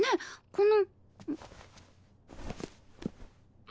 この。